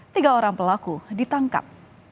tiga orang pelaku ditangkap